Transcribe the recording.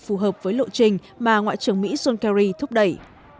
phù hợp với lộ trình mà ngoại trưởng mỹ john kerry thúc đẩy